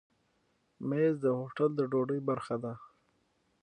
مېز د هوټل د ډوډۍ برخه ده.